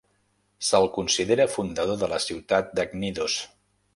Se'l considera fundador de la ciutat de Cnidos.